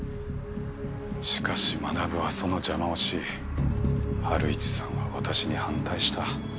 しかしマナブはその邪魔をしハルイチさんは私に反対した。